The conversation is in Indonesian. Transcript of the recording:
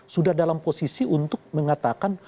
sudah dalam posisi untuk mengatakan